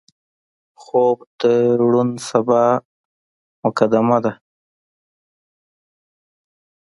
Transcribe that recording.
خوب د روڼ سبا مقدمه ده